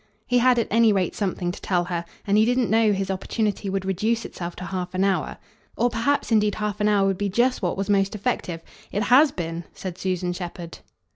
He had at any rate something to tell her, and he didn't know his opportunity would reduce itself to half an hour. Or perhaps indeed half an hour would be just what was most effective. It HAS been!" said Susan Shepherd.